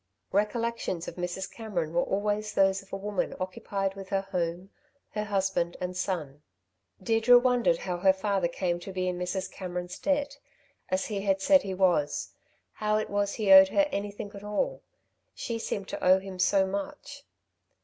Recollections of Mrs. Cameron were always those of a woman occupied with her home, her husband and son. Deirdre wondered how her father came to be in Mrs. Cameron's debt, as he had said he was, how it was he owed her anything at all. She seemed to owe him so much.